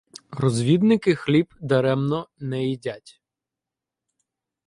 Розвідники хліб даремно не їдять